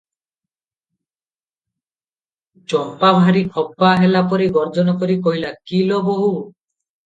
ଚମ୍ପା ଭାରି ଖପା ହେଲାପରି ଗର୍ଜନ କରି କହିଲା, "କି ଲୋ ବୋହୂ!